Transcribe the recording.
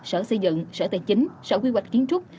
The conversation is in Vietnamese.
sở xây dựng sở tài chính sở quy hoạch kiến trúc